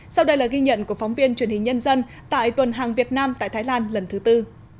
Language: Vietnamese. sau đây là ghi nhận của phóng viên truyền hình nhân dân tại tuần hàng việt nam tại thái lan lần thứ tư